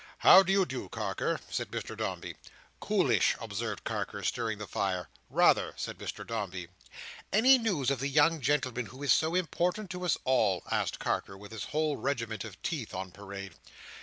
"How do you do, Carker?" said Mr Dombey. "Coolish!" observed Carker, stirring the fire. "Rather," said Mr Dombey. "Any news of the young gentleman who is so important to us all?" asked Carker, with his whole regiment of teeth on parade.